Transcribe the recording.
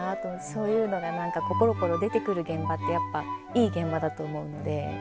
そういうのが何かぽろぽろ出てくる現場ってやっぱいい現場だと思うので。